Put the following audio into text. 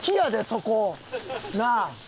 そこ。なあ！